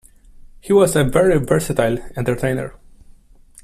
He was a very versatile entertainer